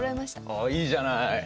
あっいいじゃない。